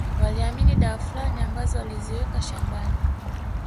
Waliamini dawa fulani ambazo waliziweka shambani